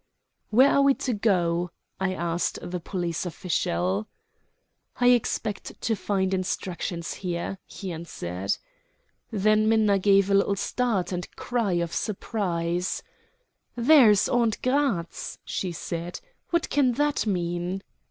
"Where are we to go?" I asked the police official. "I expect to find instructions here," he answered. Then Minna gave a little start and cry of surprise. "There is aunt Gratz," she said. "What can that mean?"